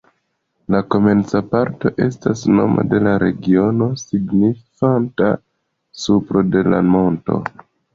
La komenca parto estas nomo de la regiono, signifanta supro de la monto.